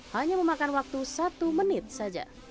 hanya memakan waktu satu menit saja